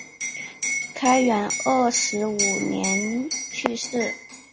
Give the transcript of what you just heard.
开元二十五年去世。